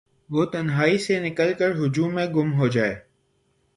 وہ تنہائی سے نکل کرہجوم میں گم ہوجائے